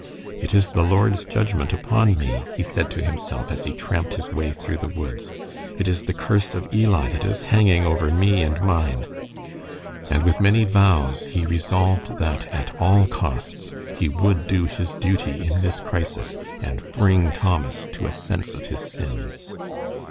"It is the Lord's judgment upon me," he said to himself, as he tramped his way through the woods. "It is the curse of Eli that is hanging over me and mine." And with many vows he resolved that, at all costs, he would do his duty in this crisis and bring Thomas to a sense of his sins.